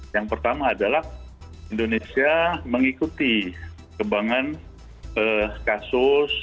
yang pertama adalah indonesia mengikuti kembangan kasus